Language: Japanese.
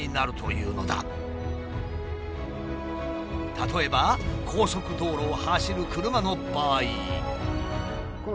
例えば高速道路を走る車の場合。